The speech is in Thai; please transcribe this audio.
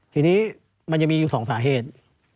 ทีนี้มันยังมีอยู่๒สาเหตุ